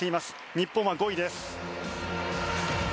日本は５位です。